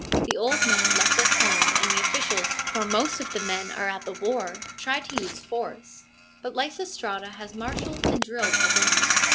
The old men left at home, and the officials, for most of the men are at the war, try to use force ; but Lysistrata has marshalled and drilled her women.